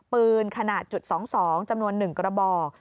ปืนขนาดจุด๒๒จำนวน๑กระบอก